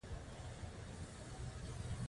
هلته د انسان اساسي اړتیاوې مهمې دي.